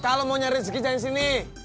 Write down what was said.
kalau mau nyari rezeki jangan sini